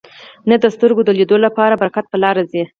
نه د سترګو د لیدلو او پر برکت په لاره ځي.